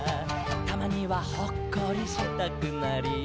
「たまにはほっこりしたくなり」